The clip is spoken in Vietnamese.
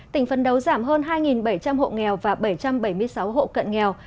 tỉnh phấn đấu giảm hơn hai bảy trăm linh hộ nghèo và bảy trăm bảy mươi sáu hộ cận nghèo